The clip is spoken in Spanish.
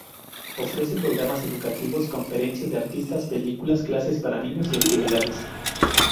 Ofrece programas educativos, conferencias de artistas, películas, clases para niños y actividades.